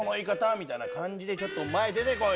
みたいな「ちょっと前出てこい！」